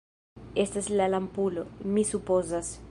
Estas la lampulo, mi supozas.